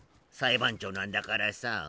裁判長なんだからさ。